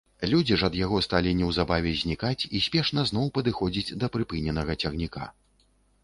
Людзі ж ад яго сталі неўзабаве знікаць і спешна зноў падыходзіць да прыпыненага цягніка.